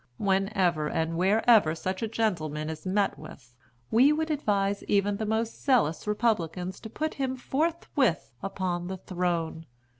Whenever and wherever such a gentleman is met with, we would advise even the most zealous Republicans to put him forthwith upon the throne.